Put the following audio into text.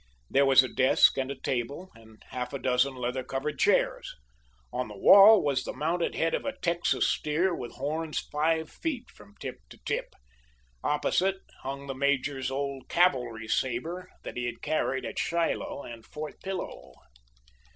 There was a desk, and a table, and half a dozen leather covered chairs. On the wall was the mounted head of a Texas steer with horns five feet from tip to tip. Opposite hung the major's old cavalry saber that he had carried at Shiloh and Fort Pillow.